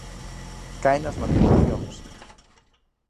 Caen as matriculacións.